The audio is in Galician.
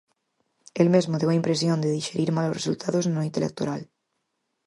El mesmo deu a impresión de dixerir mal os resultados na noite electoral.